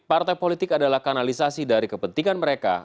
partai politik adalah kanalisasi dari kepentingan mereka